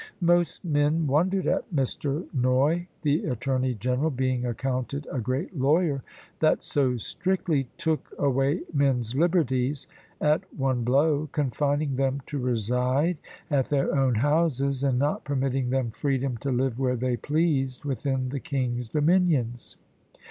"Most men wondered at Mr. Noy, the Attorney General, being accounted a great lawyer, that so strictly took away men's liberties at one blow, confining them to reside at their own houses, and not permitting them freedom to live where they pleased within the king's dominions.